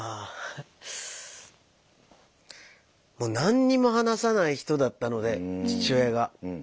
もう何にも話さない人だったので父親が。